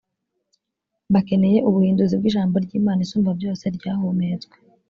bakeneye ubuhinduzi bw ijambo ry imana isumbabyose ryahumetswe